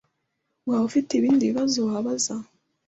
Waba ufite ibindi bibazo wabaza?